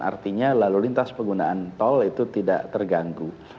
artinya lalu lintas penggunaan tol itu tidak terganggu